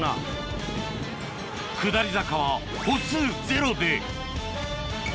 下り坂は歩数ゼロで